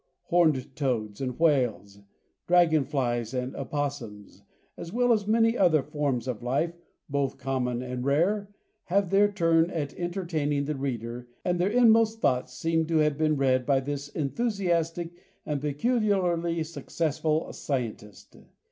Horned toads and whales, dragon flies and opossums, as well as many other forms of life, both common and rare, have their turn at entertaining the reader, and their inmost thoughts seem to have been read by this enthusiastic and peculiarly successful scientist.